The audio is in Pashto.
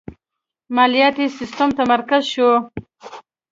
مالیاتی سیستم متمرکز شو.